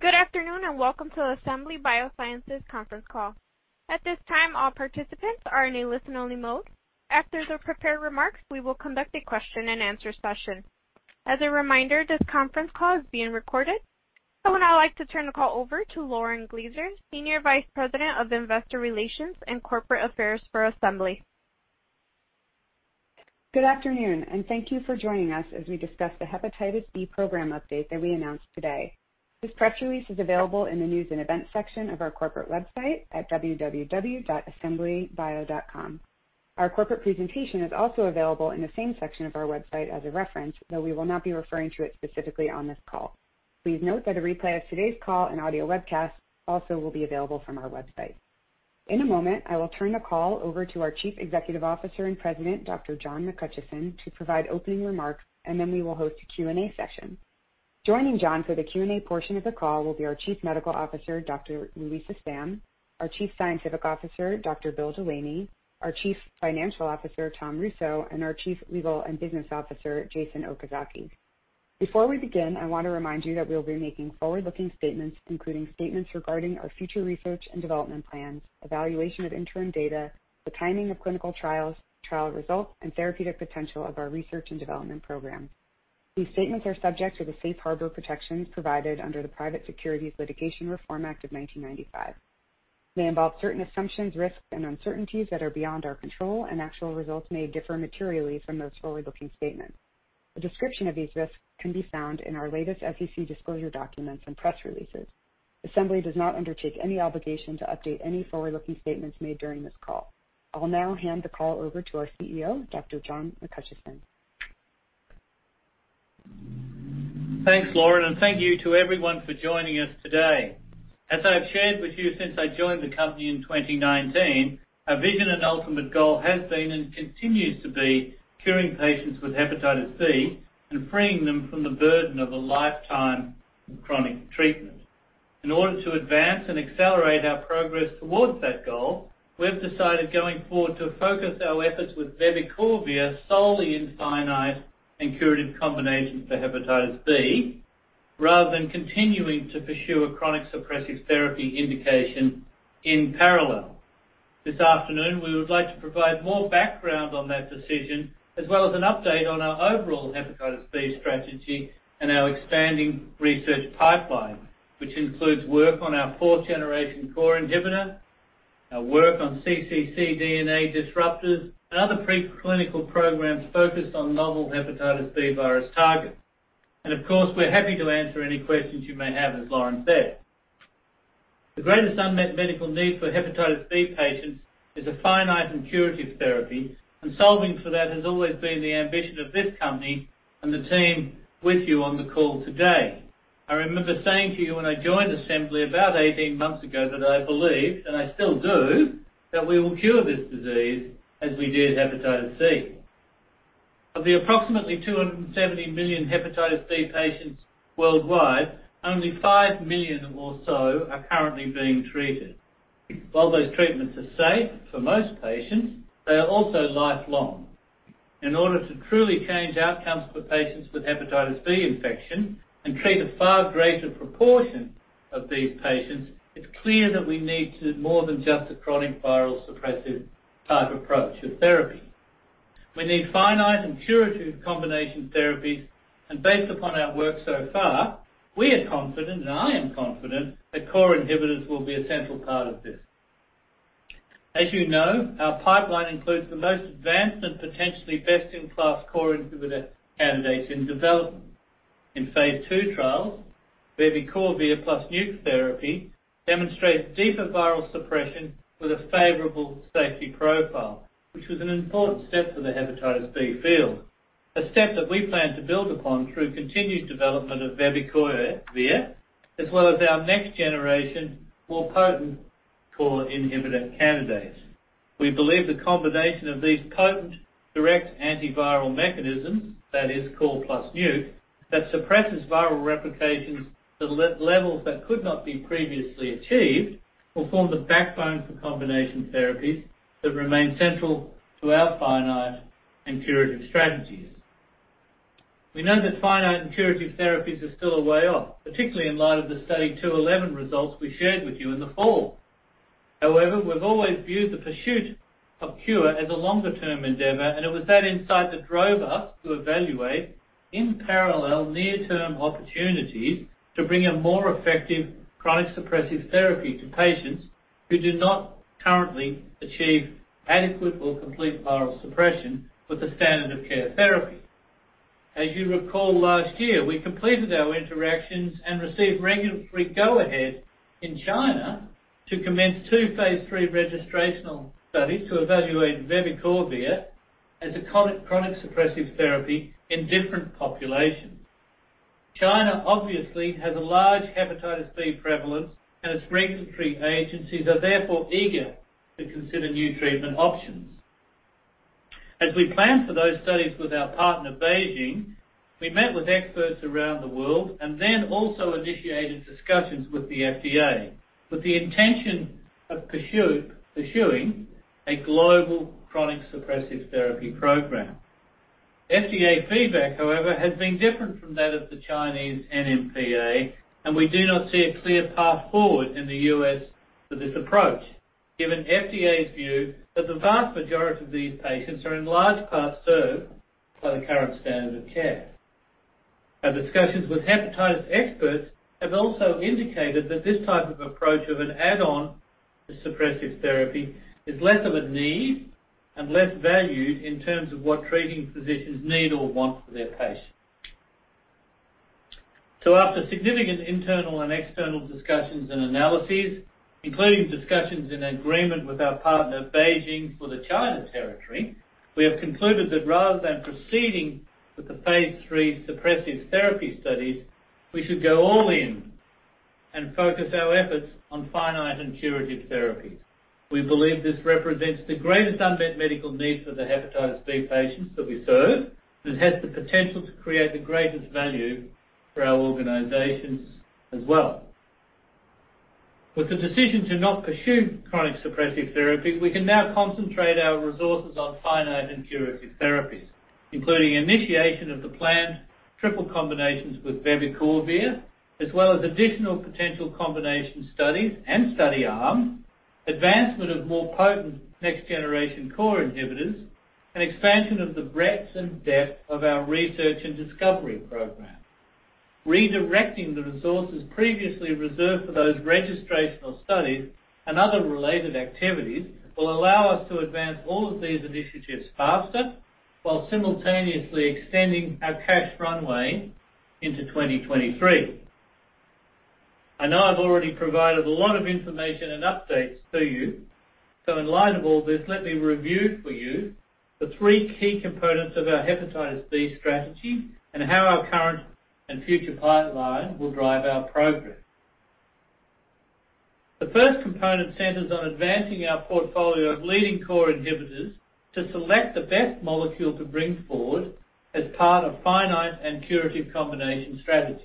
Good afternoon, and welcome to Assembly Biosciences conference call. At this time, all participants are in a listen-only mode. After the prepared remarks, we will conduct a question and answer session. As a reminder, this conference call is being recorded. I would now like to turn the call over to Lauren Glaser, Senior Vice President of Investor Relations and Corporate Affairs for Assembly. Good afternoon, and thank you for joining us as we discuss the hepatitis B program update that we announced today. This press release is available in the news and events section of our corporate website at www.assemblybio.com. Our corporate presentation is also available in the same section of our website as a reference, though we will not be referring to it specifically on this call. Please note that a replay of today's call and audio webcast also will be available from our website. In a moment, I will turn the call over to our Chief Executive Officer and President, Dr. John McHutchison, to provide opening remarks, and then we will host a Q&A session. Joining John for the Q&A portion of the call will be our Chief Medical Officer, Dr. Luisa Stamm, our Chief Scientific Officer, Dr. Bill Delaney, our Chief Financial Officer, Tom Russo, and our Chief Legal and Business Officer, Jason Okazaki. Before we begin, I want to remind you that we will be making forward-looking statements, including statements regarding our future research and development plans, evaluation of interim data, the timing of clinical trials, trial results, and therapeutic potential of our research and development programs. These statements are subject to the safe harbor protections provided under the Private Securities Litigation Reform Act of 1995. They involve certain assumptions, risks, and uncertainties that are beyond our control, and actual results may differ materially from those forward-looking statements. A description of these risks can be found in our latest SEC disclosure documents and press releases. Assembly does not undertake any obligation to update any forward-looking statements made during this call. I'll now hand the call over to our CEO, Dr. John McHutchison. Thanks, Lauren, thank you to everyone for joining us today. As I've shared with you since I joined the company in 2019, our vision and ultimate goal has been and continues to be curing patients with hepatitis B and freeing them from the burden of a lifetime chronic treatment. In order to advance and accelerate our progress towards that goal, we've decided going forward to focus our efforts with vebicorvir solely in finite and curative combinations for hepatitis B, rather than continuing to pursue a chronic suppressive therapy indication in parallel. This afternoon, we would like to provide more background on that decision as well as an update on our overall hepatitis B strategy and our expanding research pipeline, which includes work on our 4th-generation core inhibitor, our work on cccDNA disruptors, and other preclinical programs focused on novel hepatitis B virus targets. Of course, we're happy to answer any questions you may have, as Lauren said. The greatest unmet medical need for hepatitis B patients is a finite and curative therapy, and solving for that has always been the ambition of this company and the team with you on the call today. I remember saying to you when I joined Assembly about 18 months ago that I believed, and I still do, that we will cure this disease as we did hepatitis C. Of the approximately 270 million hepatitis B patients worldwide, only 5 million or so are currently being treated. While those treatments are safe for most patients, they are also lifelong. In order to truly change outcomes for patients with hepatitis B infection and treat a far greater proportion of these patients, it's clear that we need to more than just a chronic viral suppressive type approach to therapy. We need finite and curative combination therapies. Based upon our work so far, we are confident, and I am confident that core inhibitors will be a central part of this. As you know, our pipeline includes the most advanced and potentially best-in-class core inhibitor candidates in development. In phase II trials, vebicorvir plus NUC therapy demonstrates deeper viral suppression with a favorable safety profile, which was an important step for the hepatitis B field. A step that we plan to build upon through continued development of vebicorvir, as well as our next-generation, more potent core inhibitor candidates. We believe the combination of these potent direct antiviral mechanisms, that is core plus NUC, that suppresses viral replications to levels that could not be previously achieved, will form the backbone for combination therapies that remain central to our finite and curative strategies. We know that finite and curative therapies are still a way off, particularly in light of the Study 211 results we shared with you in the fall. However, we've always viewed the pursuit of cure as a longer-term endeavor, and it was that insight that drove us to evaluate, in parallel, near-term opportunities to bring a more effective chronic suppressive therapy to patients who do not currently achieve adequate or complete viral suppression with the standard of care therapy. As you recall, last year, we completed our interactions and received regulatory go-ahead in China to commence two phase III registrational studies to evaluate vebicorvir as a chronic suppressive therapy in different populations. China obviously has a large hepatitis B prevalence, and its regulatory agencies are therefore eager to consider new treatment options. As we plan for those studies with our partner, BeiGene, we met with experts around the world and then also initiated discussions with the FDA with the intention of pursuing a global chronic suppressive therapy program. FDA feedback, however, has been different from that of the Chinese NMPA, and we do not see a clear path forward in the U.S. for this approach, given FDA's view that the vast majority of these patients are in large part served by the current standard of care. Our discussions with hepatitis experts have also indicated that this type of approach of an add-on to suppressive therapy is less of a need and less valued in terms of what treating physicians need or want for their patients. After significant internal and external discussions and analyses, including discussions and agreement with our partner BeiGene for the China territory, we have concluded that rather than proceeding with the phase III suppressive therapy studies, we should go all in and focus our efforts on finite and curative therapies. We believe this represents the greatest unmet medical need for the hepatitis B patients that we serve and has the potential to create the greatest value for our organizations as well. With the decision to not pursue chronic suppressive therapy, we can now concentrate our resources on finite and curative therapies, including initiation of the planned triple combinations with vebicorvir, as well as additional potential combination studies and study arms, advancement of more potent next-generation core inhibitors, and expansion of the breadth and depth of our research and discovery program. Redirecting the resources previously reserved for those registrational studies and other related activities will allow us to advance all of these initiatives faster while simultaneously extending our cash runway into 2023. I know I've already provided a lot of information and updates to you, so in light of all this, let me review for you the three key components of our hepatitis B strategy and how our current and future pipeline will drive our progress. The first component centers on advancing our portfolio of leading core inhibitors to select the best molecule to bring forward as part of finite and curative combination strategy.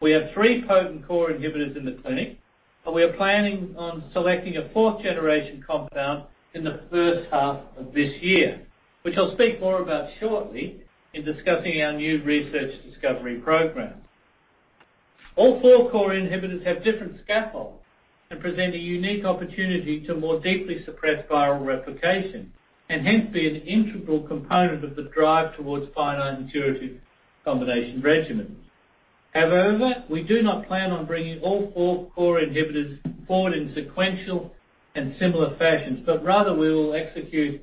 We have three potent core inhibitors in the clinic, and we are planning on selecting a 4th-generation compound in the first half of this year, which I'll speak more about shortly in discussing our new research and discovery program. All four core inhibitors have different scaffolds and present a unique opportunity to more deeply suppress viral replication and hence be an integral component of the drive towards finite and curative combination regimens. However, we do not plan on bringing all four core inhibitors forward in sequential and similar fashions, but rather, we will execute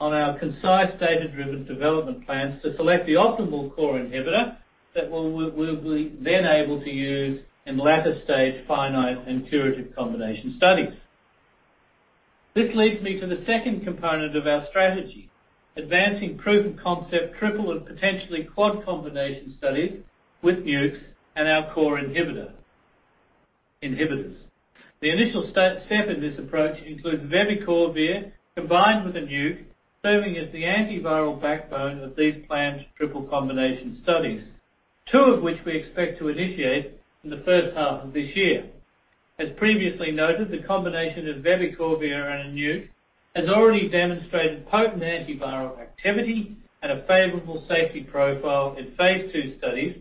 on our concise data-driven development plans to select the optimal core inhibitor that we'll be then able to use in latter-stage finite and curative combination studies. This leads me to the second component of our strategy, advancing proof-of-concept triple or potentially quad combination studies with NUCs and our core inhibitors. The initial step in this approach includes vebicorvir combined with a NUC serving as the antiviral backbone of these planned triple combination studies, two of which we expect to initiate in the first half of this year. As previously noted, the combination of vebicorvir and a NUC has already demonstrated potent antiviral activity and a favorable safety profile in phase II studies,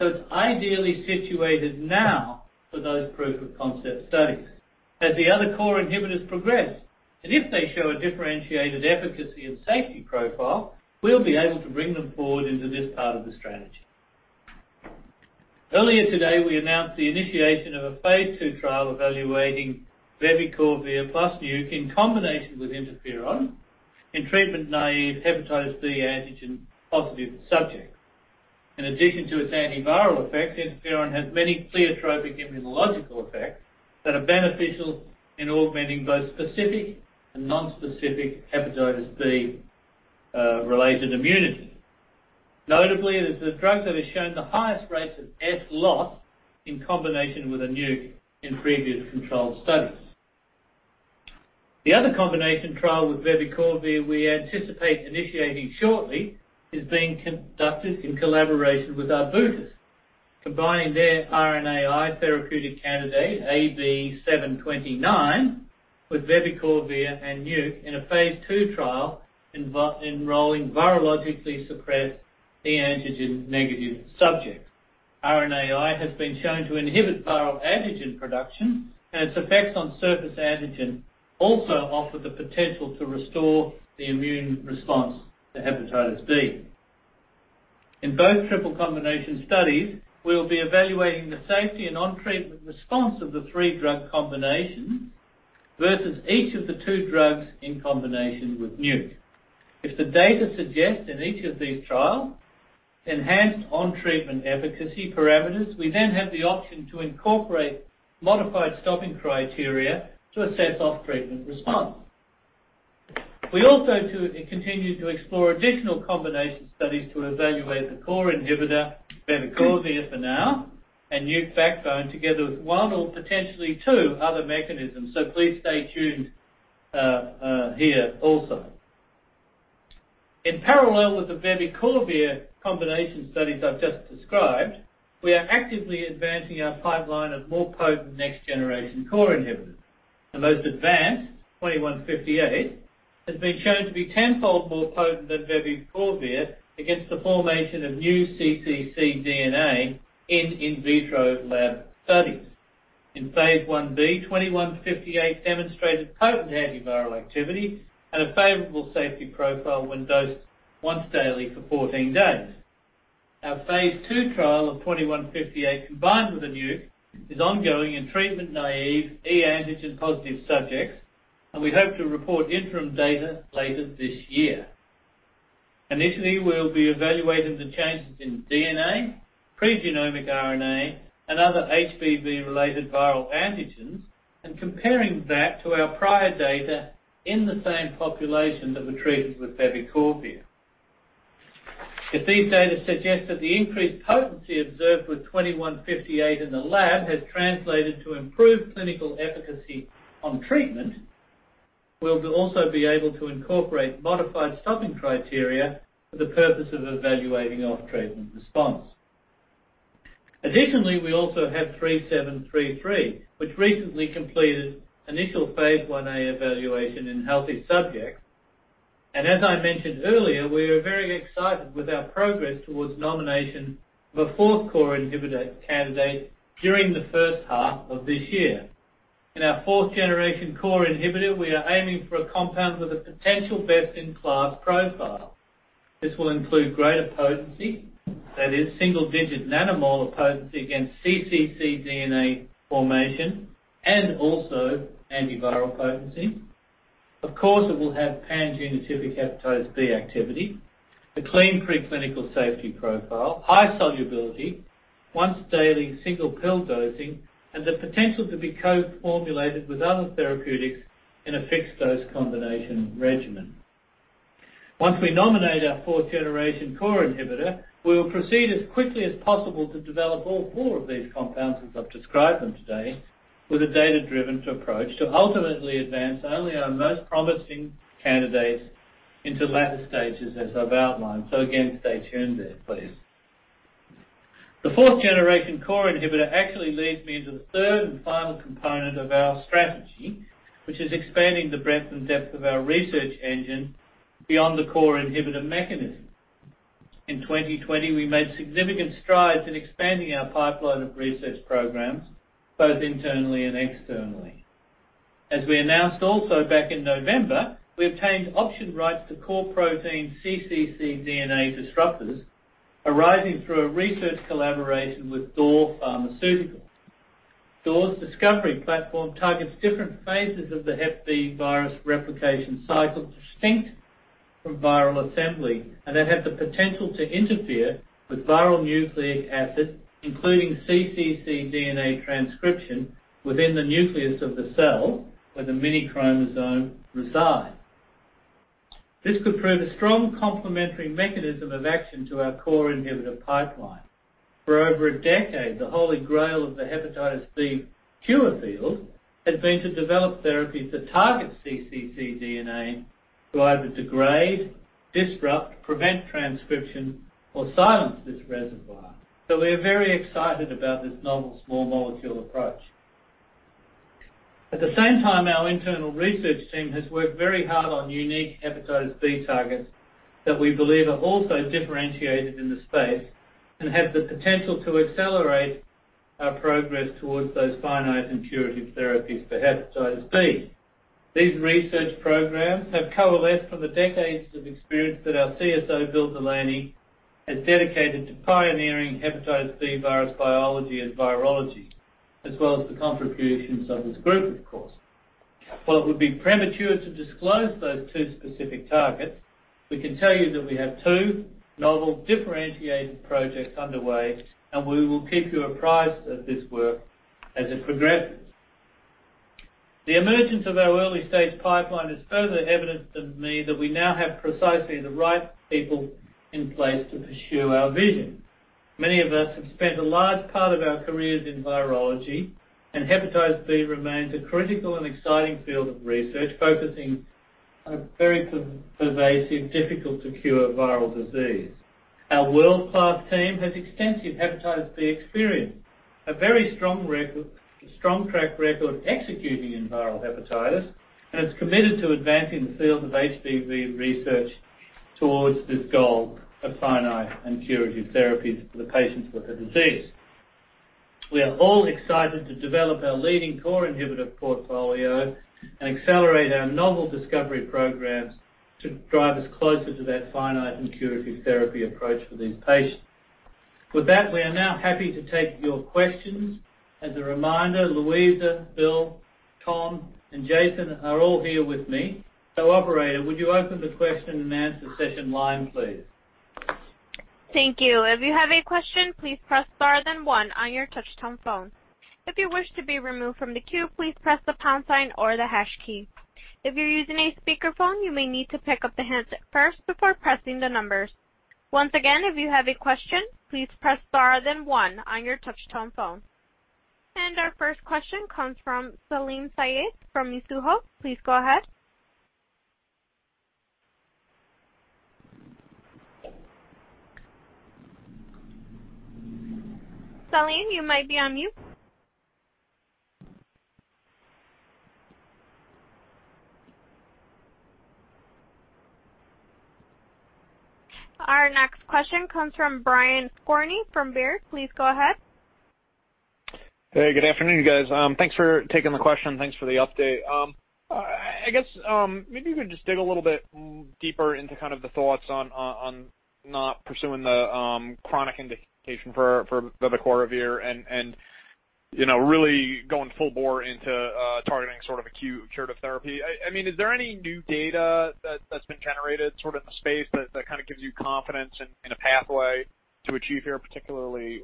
so it's ideally situated now for those proof-of-concept studies. As the other core inhibitors progress, and if they show a differentiated efficacy and safety profile, we'll be able to bring them forward into this part of the strategy. Earlier today, we announced the initiation of a phase II trial evaluating vebicorvir plus NUC in combination with interferon in treatment-naive hepatitis B antigen-positive subjects. In addition to its antiviral effect, interferon has many pleiotropic immunological effects that are beneficial in augmenting both specific and non-specific hepatitis B-related immunity. Notably, it is the drug that has shown the highest rates of HBsAg loss in combination with a NUC in previous controlled studies. The other combination trial with vebicorvir we anticipate initiating shortly is being conducted in collaboration with Arbutus, combining their RNAi therapeutic candidate AB-729 with vebicorvir and NUC in a phase II trial enrolling virologically-suppressed e-antigen negative subjects. RNAi has been shown to inhibit viral antigen production, and its effects on surface antigen also offer the potential to restore the immune response to hepatitis B. In both triple combination studies, we will be evaluating the safety and on-treatment response of the three drug combinations versus each of the two drugs in combination with NUC. If the data suggests in each of these trials enhanced on-treatment efficacy parameters, we then have the option to incorporate modified stopping criteria to assess off-treatment response. We also continue to explore additional combination studies to evaluate the core inhibitor vebicorvir for now and NUC backbone together with one or potentially two other mechanisms, so please stay tuned here also. In parallel with the vebicorvir combination studies I've just described, we are actively advancing our pipeline of more potent next-generation core inhibitors. The most advanced, ABI-H2158, has been shown to be 10-fold more potent than vebicorvir against the formation of new cccDNA in vitro lab studies. In phase I-B, 2158 demonstrated potent antiviral activity and a favorable safety profile when dosed once daily for 14 days. Our phase II trial of 2158, combined with a NUC, is ongoing in treatment-naive e-antigen positive subjects, and we hope to report interim data later this year. Initially, we'll be evaluating the changes in DNA, pre-genomic RNA, and other HBV-related viral antigens and comparing that to our prior data in the same population that were treated with vebicorvir. If these data suggest that the increased potency observed with 2158 in the lab has translated to improved clinical efficacy on treatment, we'll also be able to incorporate modified stopping criteria for the purpose of evaluating off-treatment response. Additionally, we also have 3733, which recently completed initial phase I-A evaluation in healthy subjects. As I mentioned earlier, we are very excited with our progress towards nomination of a fourth core inhibitor candidate during the first half of this year. In our 4th-generation core inhibitor, we are aiming for a compound with a potential best-in-class profile. This will include greater potency, that is single-digit nanomolar potency against cccDNA formation and also antiviral potency. Of course, it will have pan-genotypic hepatitis B activity, a clean preclinical safety profile, high solubility, once-daily single-pill dosing, and the potential to be co-formulated with other therapeutics in a fixed-dose combination regimen. Once we nominate our 4th-generation core inhibitor, we will proceed as quickly as possible to develop all four of these compounds, as I've described them today, with a data-driven approach to ultimately advance only our most promising candidates into latter stages, as I've outlined. Again, stay tuned there, please. The 4th-generation core inhibitor actually leads me into the third and final component of our strategy, which is expanding the breadth and depth of our research engine beyond the core inhibitor mechanism. In 2020, we made significant strides in expanding our pipeline of research programs, both internally and externally. As we announced also back in November, we obtained option rights to core protein cccDNA disruptors arising through a research collaboration with Door Pharmaceuticals. Door's discovery platform targets different phases of the hep B virus replication cycle, distinct from viral assembly, and that have the potential to interfere with viral nucleic acid, including cccDNA transcription within the nucleus of the cell, where the minichromosome resides. This could prove a strong complementary mechanism of action to our core inhibitor pipeline. For over a decade, the holy grail of the hepatitis B cure field has been to develop therapies that target cccDNA to either degrade, disrupt, prevent transcription, or silence this reservoir. We are very excited about this novel small molecule approach. At the same time, our internal research team has worked very hard on unique hepatitis B targets that we believe are also differentiated in the space and have the potential to accelerate our progress towards those finite and curative therapies for hepatitis B. These research programs have coalesced from the decades of experience that our CSO, Bill Delaney, has dedicated to pioneering hepatitis B virus biology and virology, as well as the contributions of his group, of course. While it would be premature to disclose those two specific targets, we can tell you that we have two novel differentiated projects underway, and we will keep you apprised of this work as it progresses. The emergence of our early-stage pipeline is further evidence to me that we now have precisely the right people in place to pursue our vision. Many of us have spent a large part of our careers in virology, hepatitis B remains a critical and exciting field of research, focusing on a very pervasive, difficult-to-cure viral disease. Our world-class team has extensive hepatitis B experience, a very strong track record executing in viral hepatitis, and is committed to advancing the field of HBV research towards this goal of finite and curative therapies for the patients with the disease. We are all excited to develop our leading core inhibitor portfolio and accelerate our novel discovery programs to drive us closer to that finite and curative therapy approach for these patients. With that, we are now happy to take your questions. As a reminder, Luisa, Bill, Tom, and Jason are all here with me. Operator, would you open the question-and-answer session line, please? Thank you. If you have a question, please press star then one on your touch-tone phone. If you wish to be removed from the queue, please press the pound sign or the hash key. If you're using a speaker phone, you may need to pick up the handset first before pressing the numbers. Once again, if you have a question, please press star then one on your touch-tone phone. Our first question comes from Salim Syed from Mizuho. Please go ahead. Salim, you might be on mute. Our next question comes from Brian Skorney from Baird. Please go ahead. Hey, good afternoon, guys. Thanks for taking the question. Thanks for the update. I guess maybe you could just dig a little bit deeper into kind of the thoughts on not pursuing the chronic indication for vebicorvir and really going full bore into targeting sort of acute curative therapy. Is there any new data that's been generated sort of in the space that kind of gives you confidence in a pathway to achieve here, particularly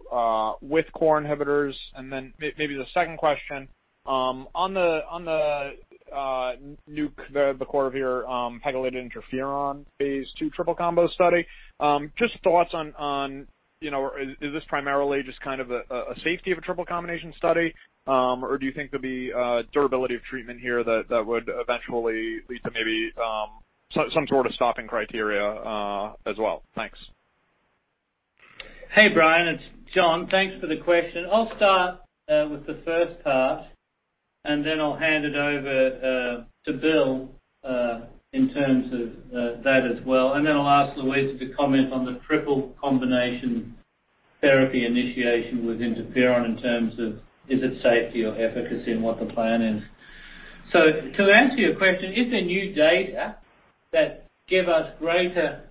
with core inhibitors? Maybe the second question, on the NUC vebicorvir pegylated interferon phase II triple combo study, just thoughts on is this primarily just kind of a safety of a triple combination study? Or do you think there'll be durability of treatment here that would eventually lead to maybe some sort of stopping criteria as well? Thanks. Hey, Brian, it's John. Thanks for the question. I'll start with the first part, and then I'll hand it over to Bill in terms of that as well. Then I'll ask Luisa to comment on the triple combination therapy initiation with interferon in terms of is it safety or efficacy and what the plan is. To answer your question, is there new data that give us greater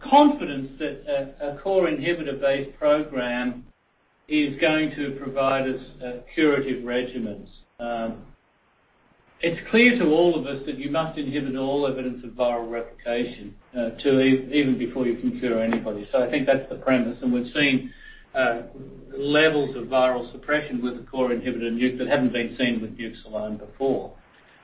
confidence that a core inhibitor-based program is going to provide us curative regimens? It's clear to all of us that you must inhibit all evidence of viral replication to even before you can cure anybody. I think that's the premise, and we've seen levels of viral suppression with the core inhibitor NUC that haven't been seen with NUCs alone before,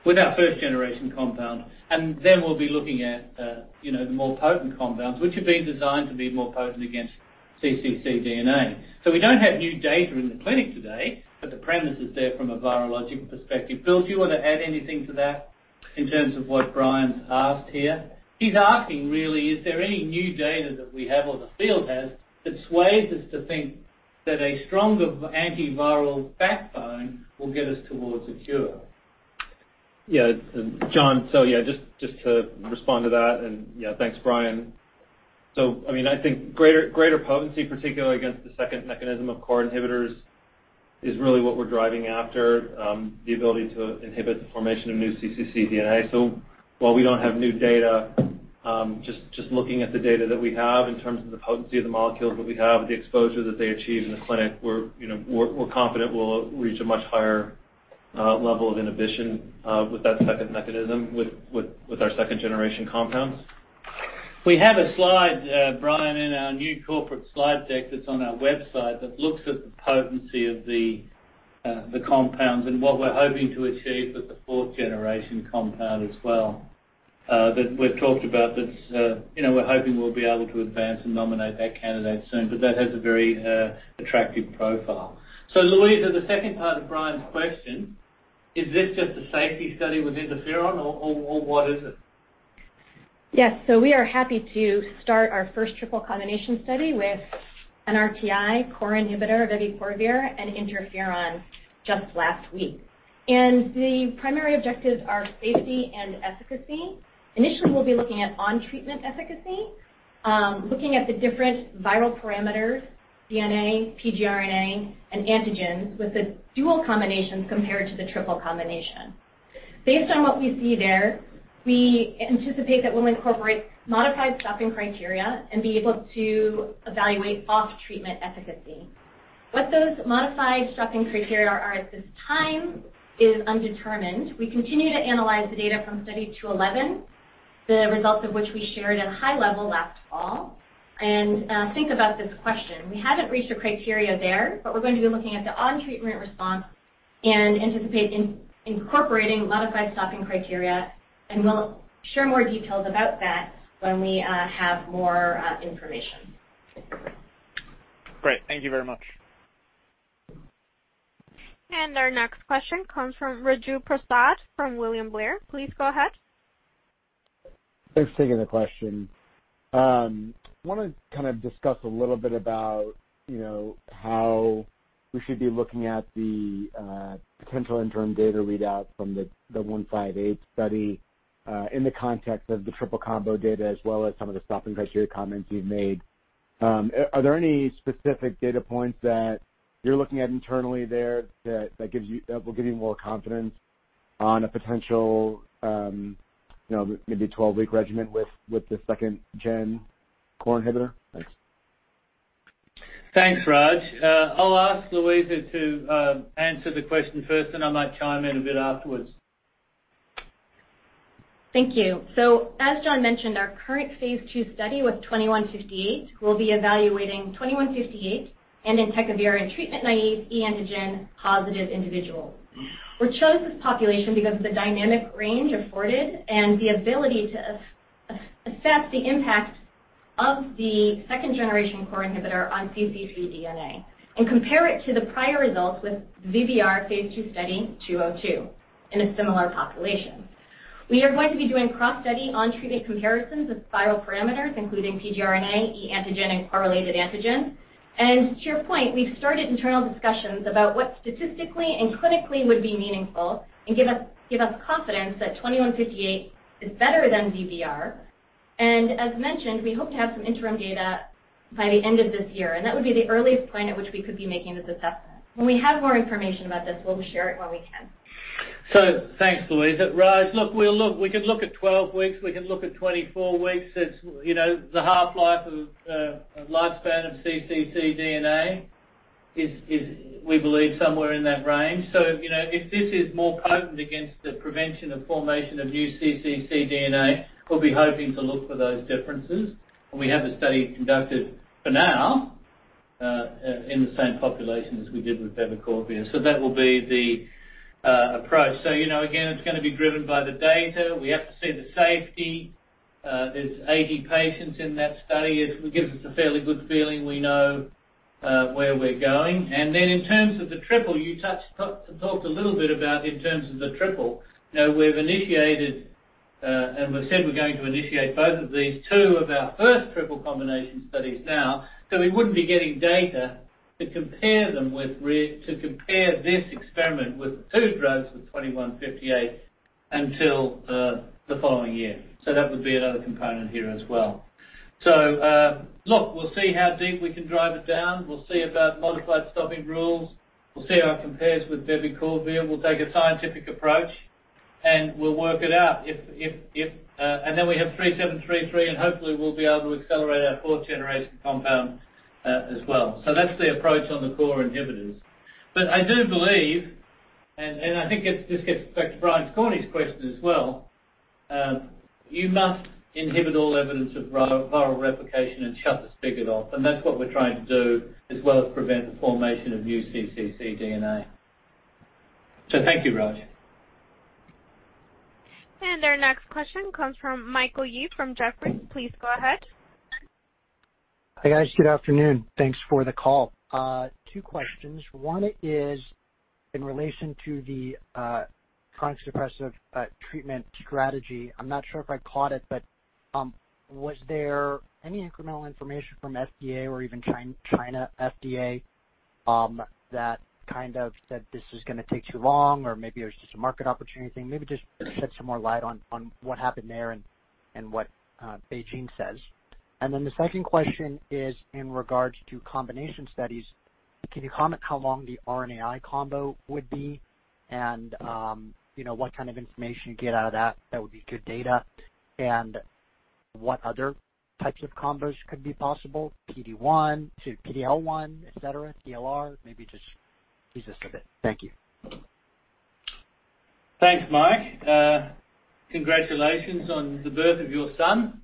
with our 1st-generation compound. Then we'll be looking at the more potent compounds, which have been designed to be more potent against cccDNA. We don't have new data in the clinic today, but the premise is there from a virologic perspective. Bill, do you want to add anything to that in terms of what Brian's asked here? He's asking, really, is there any new data that we have or the field has that sways us to think that a stronger antiviral backbone will get us towards a cure? John, just to respond to that, thanks, Brian. I think greater potency, particularly against the second mechanism of core inhibitors is really what we're driving after, the ability to inhibit the formation of new cccDNA. While we don't have new data just looking at the data that we have in terms of the potency of the molecules that we have, the exposure that they achieve in the clinic, we're confident we'll reach a much higher level of inhibition with that 2nd-generation compounds. We have a slide, Brian, in our new corporate slide deck that's on our website that looks at the potency of the compounds and what we're hoping to achieve with the 4th-generation compound as well, that we've talked about, that we're hoping we'll be able to advance and nominate that candidate soon. That has a very attractive profile. Luisa, the second part of Brian's question, is this just a safety study with interferon, or what is it? Yes. We are happy to start our first triple combination study with NrtI core inhibitor, vebicorvir, and interferon just last week. The primary objectives are safety and efficacy. Initially, we'll be looking at on-treatment efficacy, looking at the different viral parameters, DNA, pgRNA, and antigens with the dual combinations compared to the triple combination. Based on what we see there, we anticipate that we'll incorporate modified stopping criteria and be able to evaluate off-treatment efficacy. What those modified stopping criteria are at this time is undetermined. We continue to analyze the data from Study 211, the results of which we shared at a high level last fall, and think about this question. We haven't reached a criteria there, but we're going to be looking at the on-treatment response and anticipate incorporating modified stopping criteria, and we'll share more details about that when we have more information. Great. Thank you very much. Our next question comes from Raju Prasad from William Blair. Please go ahead. Thanks for taking the question. I want to kind of discuss a little bit about how we should be looking at the potential interim data readout from the ABI-H2158 study in the context of the triple combo data as well as some of the stopping criteria comments you've made. Are there any specific data points that you're looking at internally there that will give you more confidence on a potential maybe 12-week regimen with the 2nd-gen core inhibitor? Thanks. Thanks, Raj. I'll ask Luisa to answer the question first, then I might chime in a bit afterwards. Thank you. As John mentioned, our current phase II study with ABI-H2158 will be evaluating ABI-H2158 and entecavir in treatment-naïve e-antigen positive individuals. We chose this population because of the dynamic range afforded and the ability to assess the impact of the 2nd-generation core inhibitor on cccDNA and compare it to the prior results with VBR phase II, Study 202 in a similar population. We are going to be doing cross-study on-treatment comparisons of viral parameters, including pgRNA, e-antigen, and core-related antigen. To your point, we've started internal discussions about what statistically and clinically would be meaningful and give us confidence that ABI-H2158 is better than VBR. As mentioned, we hope to have some interim data by the end of this year, and that would be the earliest point at which we could be making this assessment. When we have more information about this, we'll share it when we can. Thanks, Luisa. Raj, look, we could look at 12 weeks, we could look at 24 weeks. The half-life of lifespan of cccDNA is, we believe, somewhere in that range. If this is more potent against the prevention of formation of new cccDNA, we'll be hoping to look for those differences. We have the study conducted for now in the same population as we did with vebicorvir. That will be the approach. Again, it's going to be driven by the data. We have to see the safety. There's 80 patients in that study. It gives us a fairly good feeling we know where we're going. Then in terms of the triple, you talked a little bit about in terms of the triple. We've initiated, and we've said we're going to initiate both of these, two of our first triple combination studies now. We wouldn't be getting data to compare this experiment with two drugs with ABI-H2158 until the following year. That would be another component here as well. Look, we'll see how deep we can drive it down. We'll see about modified stopping rules. We'll see how it compares with vebicorvir. We'll take a scientific approach, and we'll work it out. We have ABI-H3733, and hopefully we'll be able to accelerate our 4th-generation compound as well. That's the approach on the core inhibitors. I do believe, and I think this gets back to Brian Skorney's question as well, you must inhibit all evidence of viral replication and shut the spigot off, and that's what we're trying to do, as well as prevent the formation of new cccDNA. Thank you, Raj. Our next question comes from Michael Yee from Jefferies. Please go ahead. Hi, guys. Good afternoon. Thanks for the call. Two questions. One is in relation to the chronic suppressive treatment strategy. I'm not sure if I caught it, but was there any incremental information from FDA or even China FDA that said this is going to take too long, or maybe there's just a market opportunity thing? Maybe just shed some more light on what happened there and what BeiGene says. The second question is in regards to combination studies. Can you comment how long the RNAi combo would be and what kind of information you get out of that that would be good data? What other types of combos could be possible, PD-1 to PD-L1, et cetera, TLR? Maybe just tease us a bit. Thank you. Thanks, Mike. Congratulations on the birth of your son.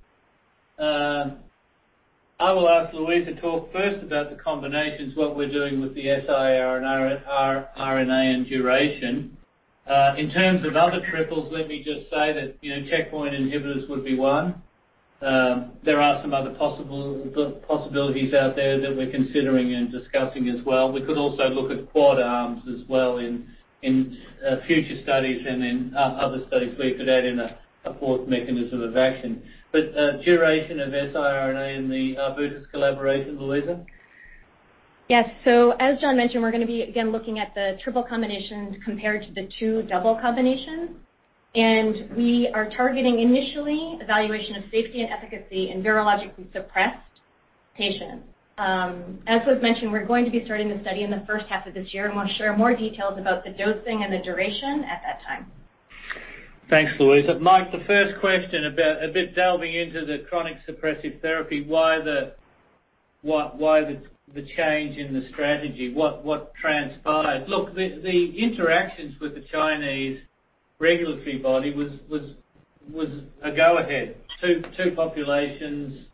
I will ask Luisa to talk first about the combinations, what we're doing with the siRNA and duration. In terms of other triples, let me just say that checkpoint inhibitors would be one. There are some other possibilities out there that we're considering and discussing as well. We could also look at quad arms as well in future studies and in other studies, we could add in a fourth mechanism of action. Duration of siRNA in the Arbutus collaboration, Luisa? Yes. As John mentioned, we're going to be, again, looking at the triple combinations compared to the two double combinations. We are targeting initially evaluation of safety and efficacy in virologically-suppressed patients. As was mentioned, we're going to be starting the study in the first half of this year, and we'll share more details about the dosing and the duration at that time. Thanks, Luisa. Mike, the first question about a bit delving into the chronic suppressive therapy, why the change in the strategy? What transpired? Look, the interactions with the Chinese regulatory body was a go-ahead. Two populations,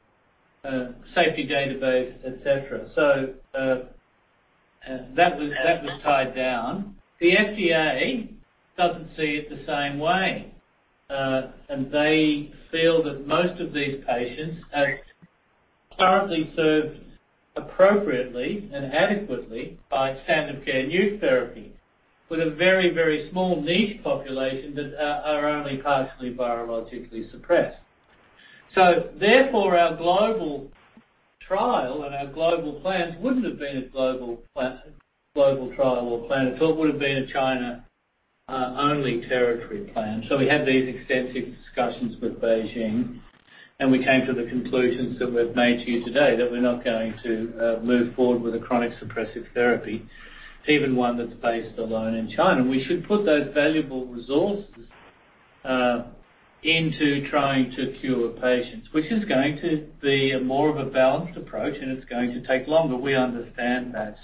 safety database, et cetera. That was tied down. The FDA doesn't see it the same way, and they feel that most of these patients are currently served appropriately and adequately by standard of care NUC therapy, with a very, very small niche population that are only partially virologically suppressed. Therefore, our global trial and our global plans wouldn't have been a global trial or plan. It would've been a China-only territory plan. We had these extensive discussions with BeiGene, and we came to the conclusions that we've made to you today, that we're not going to move forward with a chronic suppressive therapy, even one that's based alone in China. We should put those valuable resources into trying to cure patients, which is going to be more of a balanced approach, and it's going to take longer. We understand that.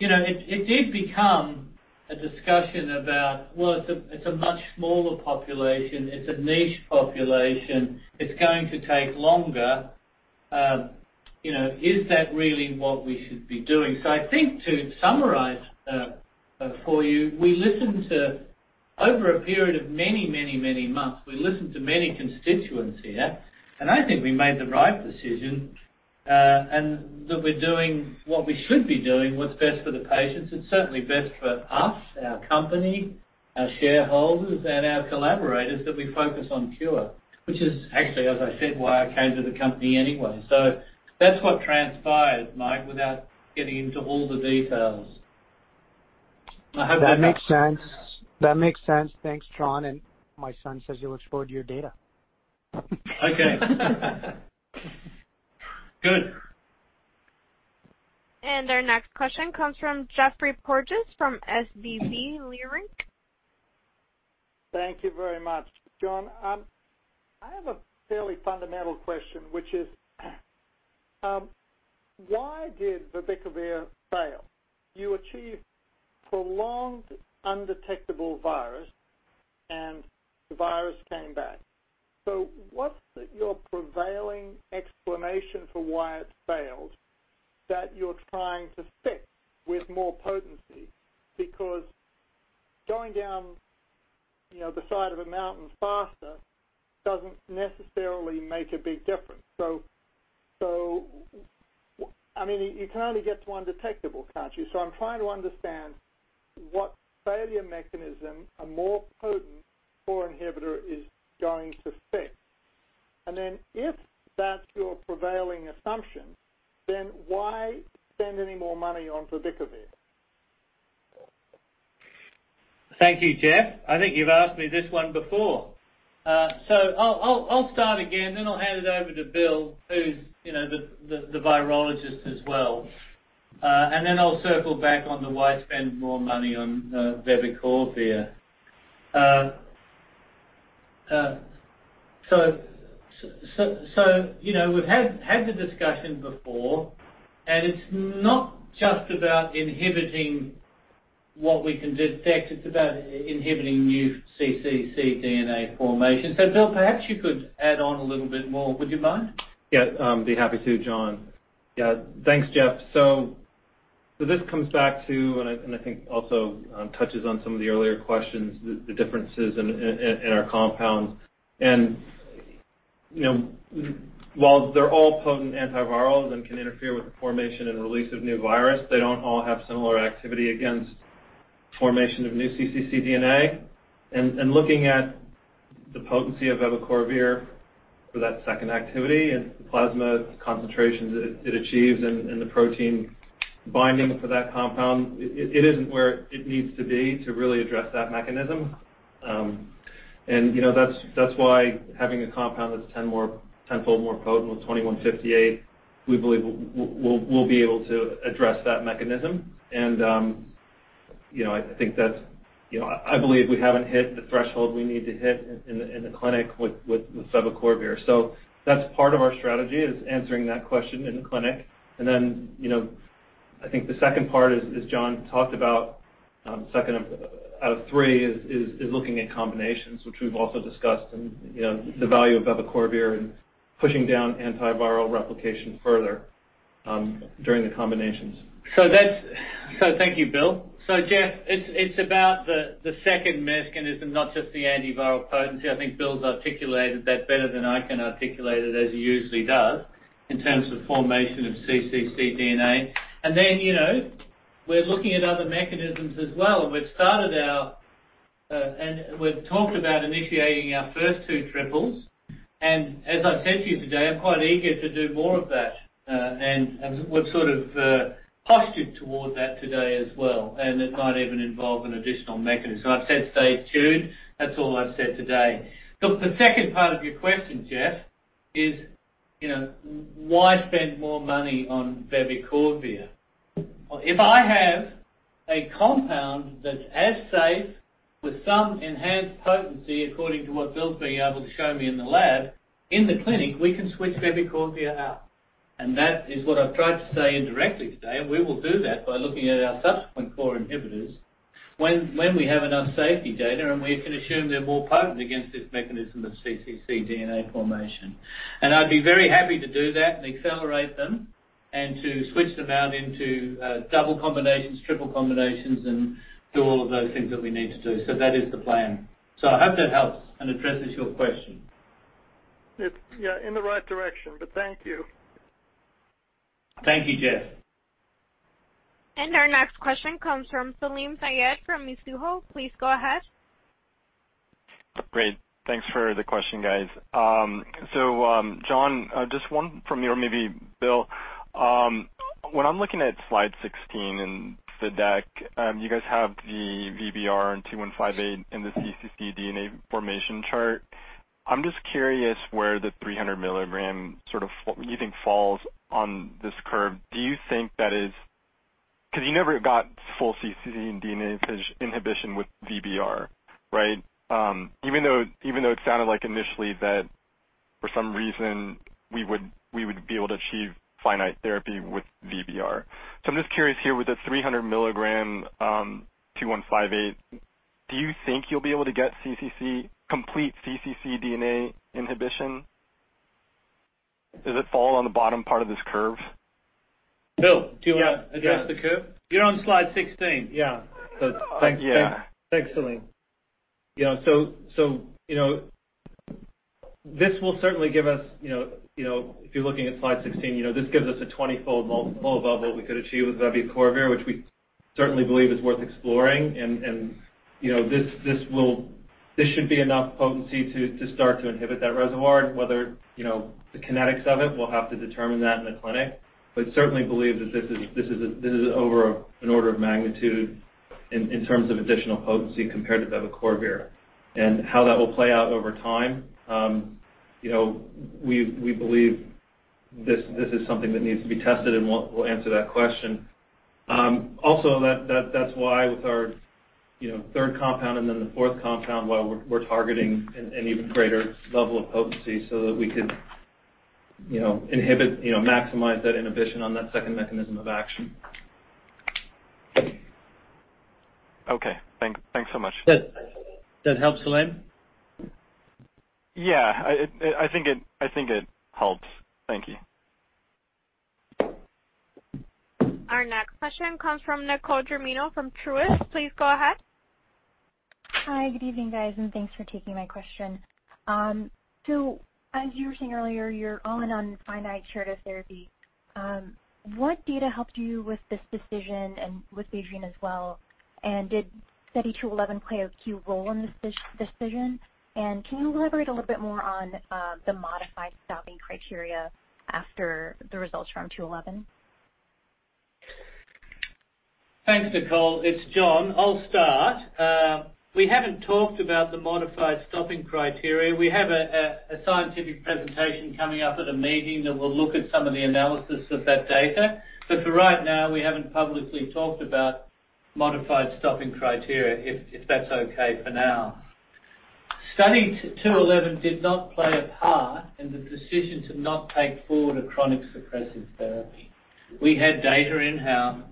It did become a discussion about, well, it's a much smaller population. It's a niche population. It's going to take longer. Is that really what we should be doing? I think to summarize for you, over a period of many, many, many months, we listened to many constituents here, and I think we made the right decision, and that we're doing what we should be doing, what's best for the patients. It's certainly best for us, our company, our shareholders, and our collaborators that we focus on cure, which is actually, as I said, why I came to the company anyway. That's what transpired, Mike, without getting into all the details. I hope that helps. That makes sense. Thanks, John, and my son says he'll explode your data. Okay. Good. Our next question comes from Geoffrey Porges from SVB Leerink. Thank you very much. John, I have a fairly fundamental question, which is why did vebicorvir fail? You achieved prolonged undetectable virus, and the virus came back. What's your prevailing explanation for why it's failed that you're trying to fix with more potency? Because going down the side of a mountain faster doesn't necessarily make a big difference. You can only get to undetectable, can't you? I'm trying to understand what failure mechanism a more potent core inhibitor is going to fix. If that's your prevailing assumption, then why spend any more money on vebicorvir? Thank you, Geoff. I think you've asked me this one before. I'll start again, then I'll hand it over to Bill, who's the virologist as well. Then I'll circle back on the why spend more money on vebicorvir. We've had the discussion before, and it's not just about inhibiting what we can detect, it's about inhibiting new cccDNA formation. Bill, perhaps you could add on a little bit more. Would you mind? Yeah, be happy to, John. Yeah. Thanks, Geoff. This comes back to, and I think also touches on some of the earlier questions, the differences in our compounds. While they're all potent antivirals and can interfere with the formation and release of new virus, they don't all have similar activity against formation of new cccDNA. Looking at the potency of vebicorvir for that second activity and the plasma concentrations it achieves and the protein binding for that compound, it isn't where it needs to be to really address that mechanism. That's why having a compound that's 10-fold more potent with 2158, we believe we'll be able to address that mechanism. I believe we haven't hit the threshold we need to hit in the clinic with vebicorvir. That's part of our strategy, is answering that question in the clinic. I think the second part is John talked about second out of three is looking at combinations, which we've also discussed and the value of vebicorvir in pushing down antiviral replication further during the combinations. Thank you, Bill. Geoff, it's about the second mechanism, not just the antiviral potency. I think Bill's articulated that better than I can articulate it, as he usually does, in terms of formation of cccDNA. We're looking at other mechanisms as well, and we've talked about initiating our first two triples. As I said to you today, I'm quite eager to do more of that. We're sort of postured toward that today as well, and it might even involve an additional mechanism. I've said stay tuned. That's all I've said today. Look, the second part of your question, Geoff, is why spend more money on vebicorvir? If I have a compound that's as safe with some enhanced potency according to what Bill's been able to show me in the lab, in the clinic, we can switch vebicorvir out. That is what I've tried to say indirectly today, and we will do that by looking at our subsequent core inhibitors when we have enough safety data and we can assume they're more potent against this mechanism of cccDNA formation. I'd be very happy to do that and accelerate them and to switch them out into double combinations, triple combinations, and do all of those things that we need to do. That is the plan. I hope that helps and addresses your question. It's, yeah, in the right direction, but thank you. Thank you, Geoff. Our next question comes from Salim Syed from Mizuho. Please go ahead. Great. Thanks for the question, guys. John, just one from me or maybe Bill. When I'm looking at slide 16 in the deck, you guys have the VBR and 2158 in the cccDNA formation chart. I'm just curious where the 300 mg you think falls on this curve. Do you think that is? Because you never got full cccDNA inhibition with vebicorvir, right? Even though it sounded like initially that for some reason we would be able to achieve finite therapy with VBR. I'm just curious here with the 300 mg 2158, do you think you'll be able to get complete cccDNA inhibition? Does it fall on the bottom part of this curve? Bill, do you want to address the curve? Yeah. You're on slide 16. Yeah. Yeah. Thanks, Salim. This will certainly give us, if you're looking at slide 16, this gives us a 20-fold above what we could achieve with vebicorvir, which we certainly believe is worth exploring. This should be enough potency to start to inhibit that reservoir. Whether the kinetics of it, we'll have to determine that in the clinic. Certainly believe that this is over an order of magnitude in terms of additional potency compared to vebicorvir. How that will play out over time, we believe this is something that needs to be tested, and we'll answer that question. Also, that's why with our third compound and then the fourth compound, why we're targeting an even greater level of potency so that we could maximize that inhibition on that second mechanism of action. Okay. Thanks so much. That helps, Salim? Yeah. I think it helps. Thank you. Our next question comes from Nicole Germino from Truist. Please go ahead. Hi. Good evening, guys, thanks for taking my question. As you were saying earlier, you're all in on finite curative therapy. What data helped you with this decision and with BeiGene as well? Did Study 211 play a key role in this decision? Can you elaborate a little bit more on the modified stopping criteria after the results from 211? Thanks, Nicole. It's John. I'll start. We haven't talked about the modified stopping criteria. We have a scientific presentation coming up at a meeting that will look at some of the analysis of that data. For right now, we haven't publicly talked about modified stopping criteria, if that's okay for now. Study 211 did not play a part in the decision to not take forward a chronic suppressive therapy. We had data in-hand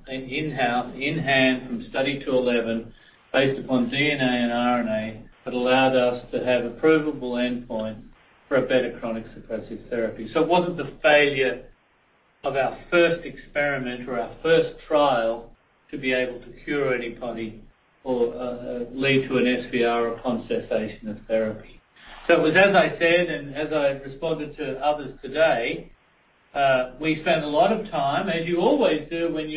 from Study 211 based upon DNA and RNA that allowed us to have approvable endpoints for a better chronic suppressive therapy. It wasn't the failure of our first experiment or our first trial to be able to cure anybody or lead to an SVR upon cessation of therapy. It was, as I said, and as I've responded to others today, we spent a lot of time, as you always do when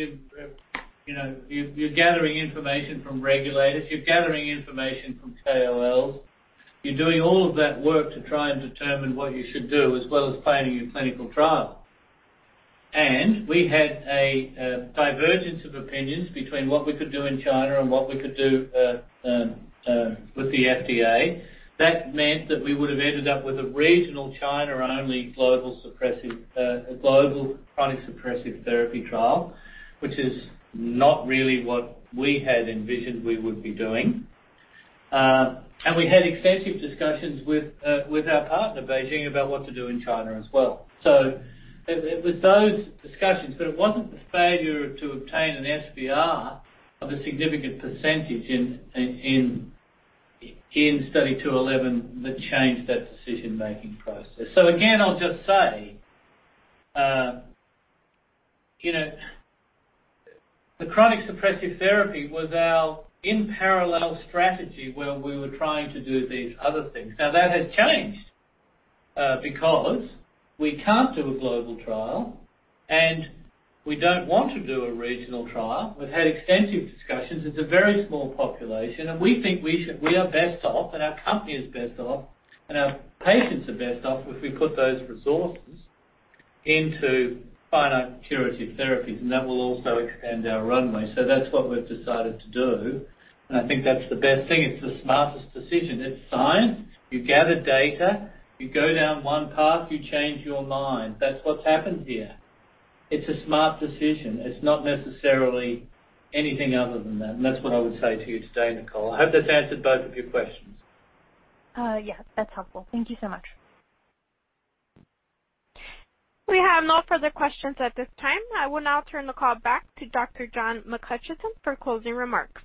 you're gathering information from regulators, you're gathering information from KOLs, you're doing all of that work to try and determine what you should do, as well as planning your clinical trial. We had a divergence of opinions between what we could do in China and what we could do with the FDA. That meant that we would have ended up with a regional China-only global chronic suppressive therapy trial, which is not really what we had envisioned we would be doing. We had extensive discussions with our partner, BeiGene, about what to do in China as well. It was those discussions, but it wasn't the failure to obtain an SVR of a significant percentage in Study 211 that changed that decision-making process. Again, I'll just say the chronic suppressive therapy was our in-parallel strategy where we were trying to do these other things. That has changed because we can't do a global trial, and we don't want to do a regional trial. We've had extensive discussions. It's a very small population, and we think we are best off, and our company is best off, and our patients are best off if we put those resources into finite curative therapies, and that will also expand our runway. That's what we've decided to do, and I think that's the best thing. It's the smartest decision. It's science. You gather data, you go down one path, you change your mind. That's what's happened here. It's a smart decision. It's not necessarily anything other than that, and that's what I would say to you today, Nicole. I hope that's answered both of your questions. Yes, that's helpful. Thank you so much. We have no further questions at this time. I will now turn the call back to Dr. John McHutchison for closing remarks.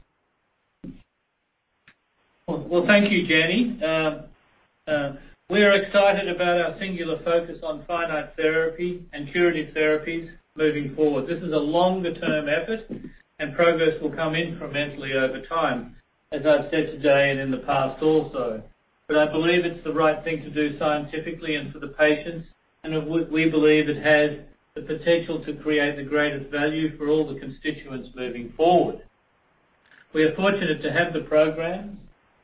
Well, thank you, Jenny. We are excited about our singular focus on finite therapy and curative therapies moving forward. This is a longer-term effort, and progress will come incrementally over time, as I've said today and in the past also. I believe it's the right thing to do scientifically and for the patients, and we believe it has the potential to create the greatest value for all the constituents moving forward. We are fortunate to have the programs,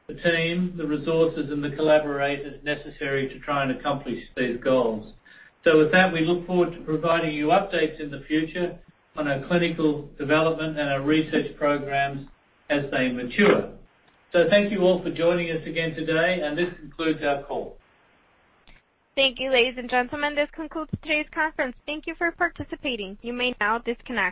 the teams, the resources, and the collaborators necessary to try and accomplish these goals. With that, we look forward to providing you updates in the future on our clinical development and our research programs as they mature. Thank you all for joining us again today, and this concludes our call. Thank you, ladies and gentlemen. This concludes today's conference. Thank you for participating. You may now disconnect.